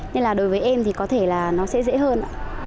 nên là đối với em thì có thể là nó sẽ dễ hơn ạ